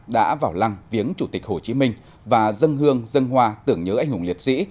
đã vào lăng viếng chủ tịch hồ chí minh và dân hương dân hoa tưởng nhớ anh hùng liệt sĩ